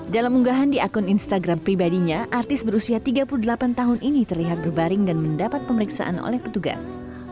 dalam unggahan di akun instagram pribadinya artis berusia tiga puluh delapan tahun ini terlihat berbaring dan mendapat pemeriksaan oleh petugas